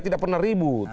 tidak pernah ribut